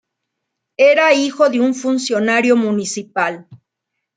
Era hijo de un funcionario municipal.